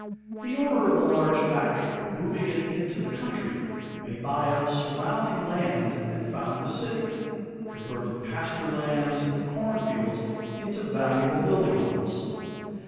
The owner of a large factory, moving it into the country, may buy up surrounding land and found a city, converting pasture lands and corn fields into valuable building lots.